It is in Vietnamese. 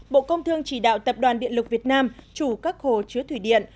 năm bộ công thương chỉ đạo tập đoàn điện lục việt nam chủ các hồ chứa thủy điện